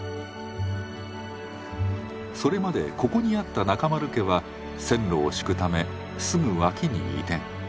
それまでここにあった中丸家は線路を敷くためすぐ脇に移転。